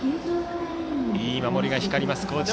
いい守りが光ります高知中央。